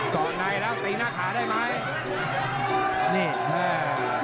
ก่อนใดแล้วตีหน้าขาได้ไหม